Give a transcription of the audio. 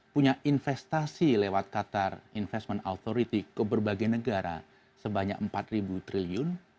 punya investasi lewat qatar investment authority ke berbagai negara sebanyak empat triliun